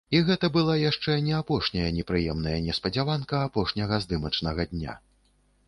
І гэта была яшчэ не апошняя непрыемная неспадзяванка апошняга здымачнага дня.